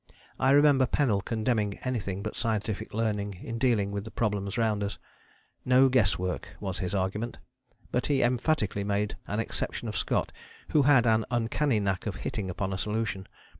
I remember Pennell condemning anything but scientific learning in dealing with the problems round us; 'no guesswork' was his argument. But he emphatically made an exception of Scott, who had an uncanny knack of hitting upon a solution.